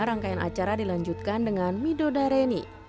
rangkaian acara dilanjutkan dengan midodareni